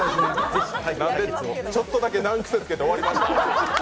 ちょっとだけ難癖つけて終わりました。